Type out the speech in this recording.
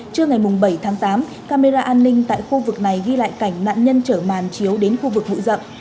trưa ngày bảy tháng tám camera an ninh tại khu vực này ghi lại cảnh nạn nhân chở màn chiếu đến khu vực bụi rậm